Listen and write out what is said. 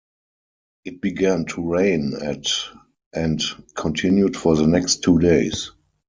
It began to rain at and continued for the next two days.